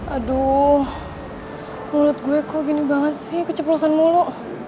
aduh mulut gua kok gini banget sih keceplusan mulu